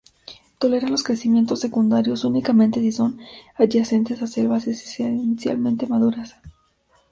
Tolera los crecimientos secundarios únicamente si son adyacentes a selvas esencialmente maduras.